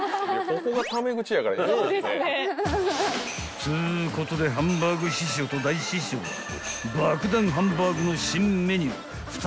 ［っつうことでハンバーグ師匠と大師匠は爆弾ハンバーグの新メニュー２つを注文］